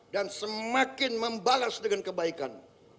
dan semakin membalas dengan kebaikan